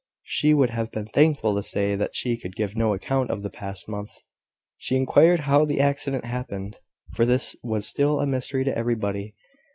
She would have been thankful to say that she could give no account of the past month. She inquired how the accident happened; for this was still a mystery to everybody.